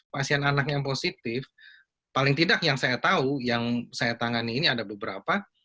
pasien anak yang positif paling tidak yang saya tahu yang saya tangani ini ada beberapa